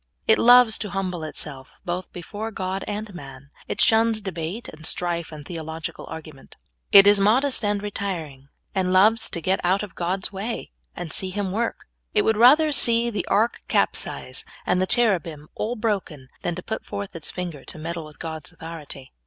It loves to humble itself, both before God and man. It shuns debate and strife, and theological argument. It is modest and retiring, and loves to get out of God's way, and see Him w^ork. It w^ould rather see the ark capsize, and the cherubim all broken, than to put forth its finger to meddle with God's authority.